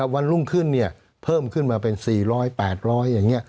วันรุ่งขึ้นเพิ่มขึ้นมาเป็น๔๐๐๘๐๐อย่างนี้